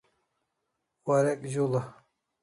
Warek z'ula